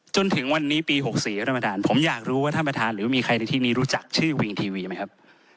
จนถึงวันนี้ปี๖๔ท่านประธานผมอยากรู้ว่าท่านประธานหรือมีใครในที่นี้รู้จักชื่อวิงทีวีไหมครับ